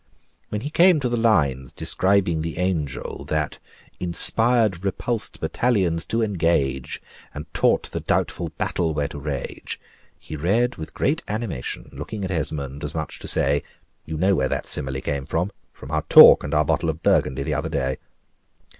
When he came to the lines describing the angel, that "Inspired repulsed battalions to engage, And taught the doubtful battle where to rage," he read with great animation, looking at Esmond, as much as to say, "You know where that simile came from from our talk, and our bottle of Burgundy, the other day."